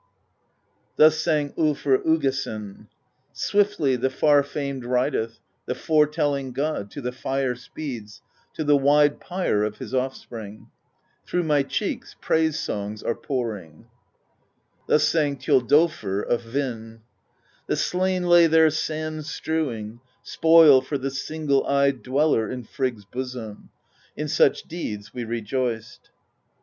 Thus sang tJlfr Uggason : Swiftly the Far Famed rideth, The Foretelling God, to the fire speeds, To the wide pyre of his offspring; Through my cheeks praise songs are pouring, Thus sang Thjodolfr of Hvin The slain lay there sand strewing, Spoil for the Single Eyed Dweller in Frigg's bosom; In such deeds we rejoiced.